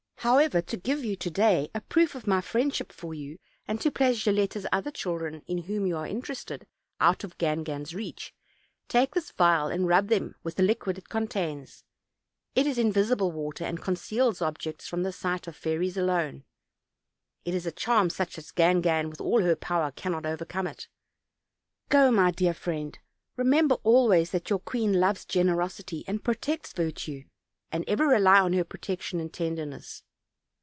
However, to give you to day a proof of my friendship for you, and to place Gilletta's other chil dren, in whom you are interested, out of Gangan's reach, take this vial, and rub them with the liquid it contains. It is invisible water, and conceals objects from the sight of fairies alone; its charm is such that Gangan, with all her power, cannot overcome it. Go, my dear friend, re 262 OLD, OLD FAIRY TALES. member always that your queen loves generosity and protects virtue: and ever rely on her protection and ten derness."